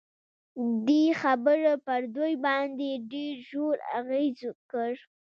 دې خبرو پر دوی باندې ډېر ژور اغېز وکړ